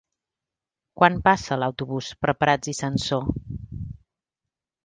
Quan passa l'autobús per Prats i Sansor?